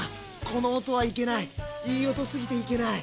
この音はいけないいい音すぎていけない。